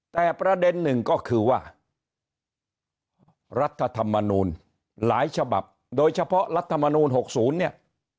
แต่ประเด็นหนึ่งก็คือว่ารัฐธรรมนูลหลายฉบับโดยเฉพาะรัฐมนูล๖๐เนี่ย